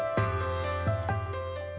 siti nuriani menjadi petani jamur tiram